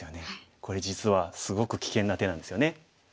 これ実はすごく危険な手なんですよね。